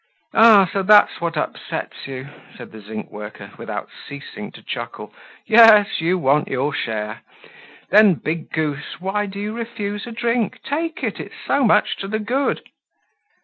"Ah! so that's what upsets you?" said the zinc worker, without ceasing to chuckle. "Yes, you want your share. Then, big goose, why do you refuse a drink? Take it, it's so much to the good."